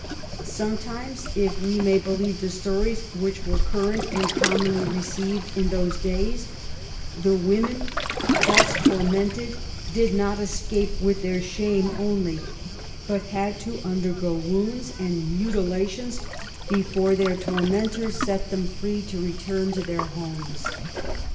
Some times, if we may believe the stories which were cur rent and commonly received in those days, the women thus tormented did not escape with their shame only, but had to undergo wounds and mutilations before their tormentors set them free to return to their homes.